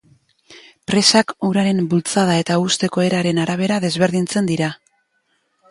Presak uraren bultzada eta husteko eraren arabera desberdintzen dira.